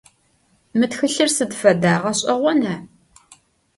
Mı txılhır sıd feda, ğeş'eğona?